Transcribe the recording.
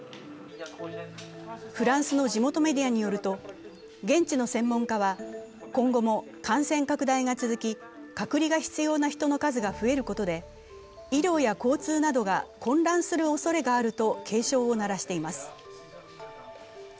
フランスの地元メディアによると、現地の専門家は今後も感染拡大が続き、隔離が必要な人の数が増えることで医療や交通などが混乱するおそれがあると警鐘を鳴らしています。